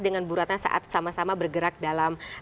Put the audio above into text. dengan buratnya saat sama sama bergerak dalam